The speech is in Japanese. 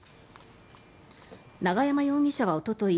永山容疑者はおととい